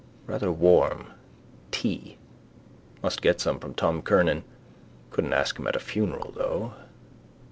Rather warm. Tea. Must get some from Tom Kernan. Couldn't ask him at a funeral, though.